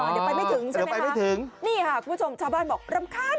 เดี๋ยวไปไม่ถึงใช่ไหมคะถึงนี่ค่ะคุณผู้ชมชาวบ้านบอกรำคาญ